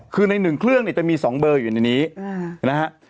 คือในหนึ่งเครื่องเนี่ยจะมีสองเบอร์อยู่ในนี้นะครับ